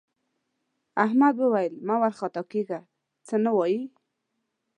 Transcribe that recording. احمد وویل مه وارخطا کېږه څه نه وايي.